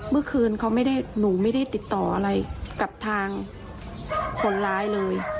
เมื่อคืนเขาไม่ได้หนูไม่ได้ติดต่ออะไรกับทางคนร้ายเลย